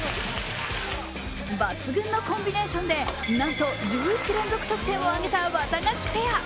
抜群のコンビネーションでなんと１１連続得点を挙げたワタガシペア。